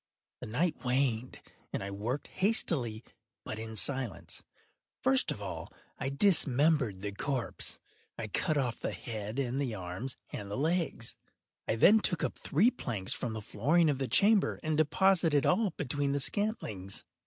The night waned, and I worked hastily, but in silence. First of all I dismembered the corpse. I cut off the head and the arms and the legs. I then took up three planks from the flooring of the chamber, and deposited all between the scantlings.